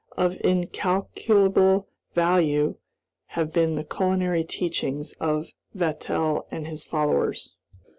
Of incalculable value have been the culinary teachings of Vatel and his followers.